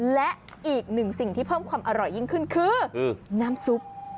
และอีกหนึ่งสิ่งที่เพิ่มความอร่อยยิ่งขึ้นคือน้ำซุป